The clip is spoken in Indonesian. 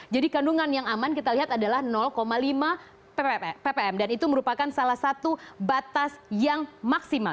jadi kandungan yang aman kita lihat adalah lima ppm dan itu merupakan salah satu batas yang maksimal